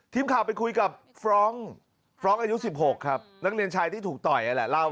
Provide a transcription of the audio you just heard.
ทีมข่าวไปคุยกับฟร้องฟร้องอายุ๑๖ครับนักเรียนชายที่ถูกต่อย